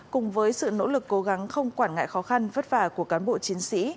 cùng với sự nỗ lực cố gắng không quản ngại khó khăn vất vả của cán bộ chiến sĩ